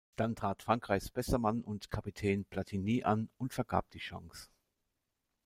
Dann trat Frankreichs bester Mann und Kapitän Platini an und vergab die Chance.